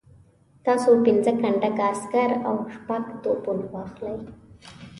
تاسو پنځه کنډکه عسکر او شپږ توپونه واخلئ.